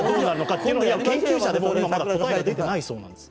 研究者でもまだ答えが出ていないそうなんです。